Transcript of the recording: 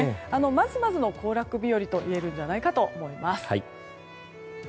まずまずの行楽日和といえるんじゃないかと思います。